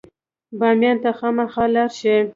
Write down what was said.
بامیان ته خامخا لاړ شئ.